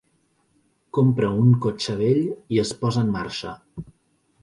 Compra un cotxe vell i es posa en marxa.